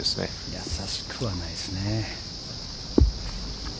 やさしくはないですね。